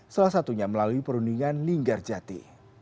salah satunya melalui perundingan linggar jati